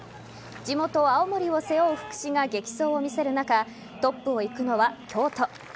地元・青森を背負う福士が激走を見せる中トップを行くのは京都。